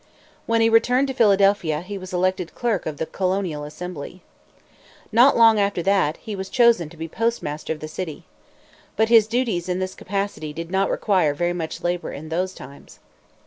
When he returned to Philadelphia, he was elected clerk of the colonial assembly. Not long after that, he was chosen to be postmaster of the city. But his duties in this capacity did not require very much labor in those times.